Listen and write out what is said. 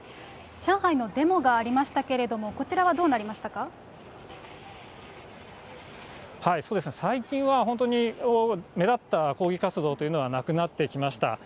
上海のデモがありましたけれども、最近は本当に、目立った抗議活動というのはなくなってきました。